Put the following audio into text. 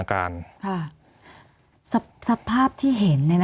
มีความรู้สึกว่ามีความรู้สึกว่า